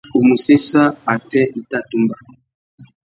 U mù séssa atê i tà tumba.